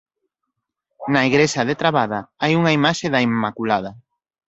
Na igrexa de Trabada hai unha imaxe da Inmaculada.